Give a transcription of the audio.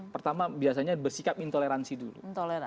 pertama biasanya bersikap intoleransi dulu